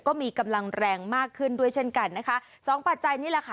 ก็มีกำลังแรงมากขึ้นด้วยเช่นกันนะคะสองปัจจัยนี่แหละค่ะ